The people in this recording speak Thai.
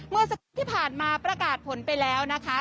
เมื่อสักครู่ที่ผ่านพระกาศผลไปค่ะ